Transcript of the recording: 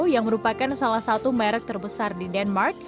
yang merupakan salah satu merek terbesar di denmark